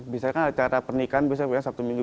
biasanya kan ada cara pernikahan biasanya satu minggu